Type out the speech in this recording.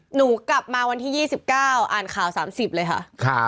หนูกลับมาวันที่๒๙อ่านข่าว๓๐เลยค่ะ